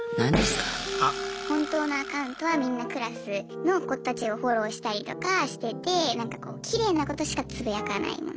本当のアカウントはみんなクラスの子たちをフォローしたりとかしててなんかこうきれいなことしかつぶやかないもの。